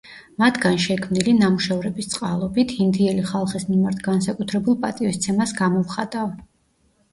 მათგან შექმნილი ნამუშევრების წყალობით, ინდიელი ხალხის მიმართ განსაკუთრებულ პატივისცემას გამოვხატავ.